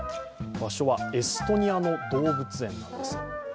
場所はエストニアの動物園なんです。